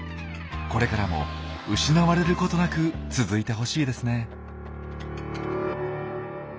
これからも失われることなく続いてほしいですね。